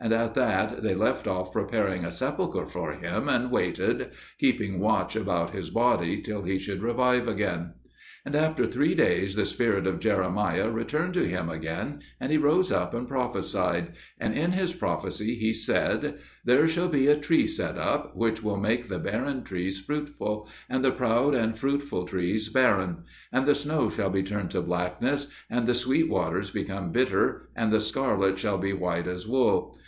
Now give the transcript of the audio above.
And at that they left off preparing a sepulchre for him, and waited, keeping watch about his body, till he should revive again. And after three days the spirit of Jeremiah returned to him again, and he rose up and prophesied; and in his prophecy he said, "There shall be a Tree set up, which shall make the barren trees fruitful, and the proud and fruitful trees barren; and the snow shall be turned to blackness, and the sweet waters become bitter, and the scarlet shall be white as wool.